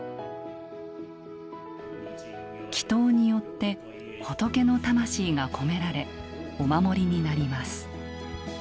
祈とうによって仏の魂が込められお守りになります。